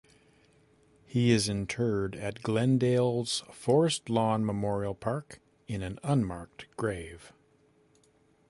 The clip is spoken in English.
He is interred at Glendale's Forest Lawn Memorial Park in an unmarked grave.